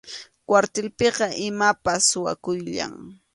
Kwartilpiqa imapas suwakuyllam.